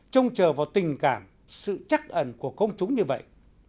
trông chờ vào tình cảm sự chắc ẩn của công chúng như vậy